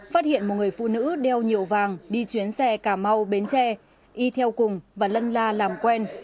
phát hiện một người phụ nữ đeo nhiều vàng đi chuyến xe cà mau bến tre đi theo cùng và lân la làm quen